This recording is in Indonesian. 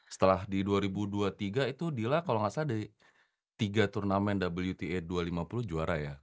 setelah di dua ribu dua puluh tiga itu dila kalau gak salah dari tiga turnamen wta dua ribu lima puluh juara ya